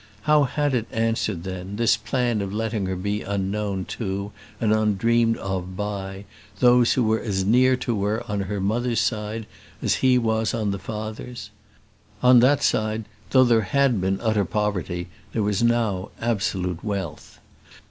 How had it answered, then, this plan of letting her be unknown to, and undreamed of by, those who were as near to her on her mother's side as he was on the father's? On that side, though there had been utter poverty, there was now absolute wealth.